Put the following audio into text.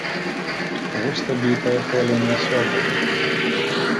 Вось табе і тая хвалёная свабода!